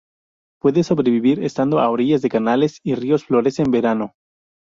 Puede sobrevivir estando a orillas de canales y ríos, florece en verano.